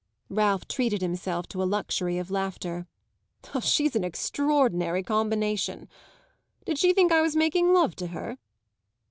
Ralph treated himself to a luxury of laughter. "She's an extraordinary combination. Did she think I was making love to her?"